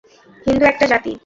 হিন্দু একটা জাতি।